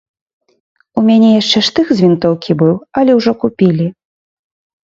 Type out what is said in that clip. У мяне яшчэ штых з вінтоўкі быў, але ўжо купілі.